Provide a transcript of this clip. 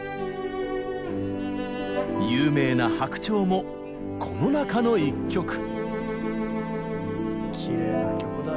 有名な「白鳥」もこの中の１曲。